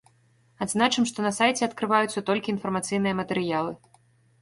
Адзначым, што на сайце адкрываюцца толькі інфармацыйныя матэрыялы.